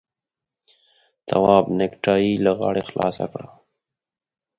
تواب نېکټايي له غاړې خلاصه کړه.